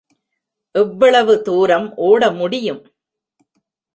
எவ்வளவு தூரம் ஓட முடியும்?